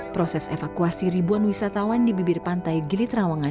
proses evakuasi ribuan wisatawan di bibir pantai gili trawangan